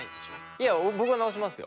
いや僕が治しますよ。